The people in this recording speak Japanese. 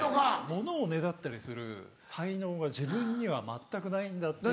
ものをねだったりする才能が自分には全くないんだっていう。